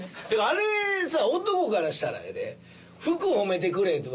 あれさ男からしたらやで。